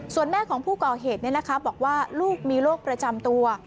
ส่วนแม่ของผู้ก่อเหตุบอกว่าลูกมีโรคประจำตัว